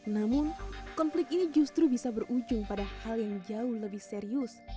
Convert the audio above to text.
namun konflik ini justru bisa berujung pada hal yang jauh lebih serius